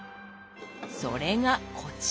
それがこちら。